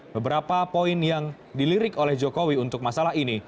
beberapa poin yang dilirik oleh jokowi untuk masalah ini